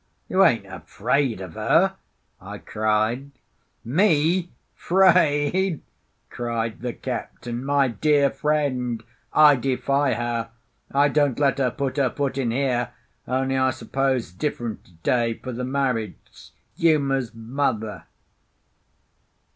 "You ain't afraid of her?" I cried. "Me 'fraid!" cried the captain. "My dear friend, I defy her! I don't let her put her foot in here, only I suppose 's different to day, for the marriage. 's Uma's mother."